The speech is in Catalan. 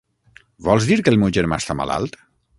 Vols dir que el meu germà està malalt?